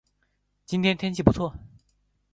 今天天气不错